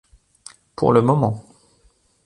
Pour le moment.